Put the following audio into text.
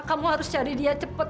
kamu harus cari dia cepat